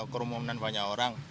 kerumunan banyak orang